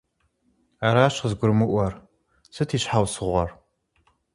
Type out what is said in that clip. Аращ къызгурымыӀуэр, сыт и щхьэусыгъуэр?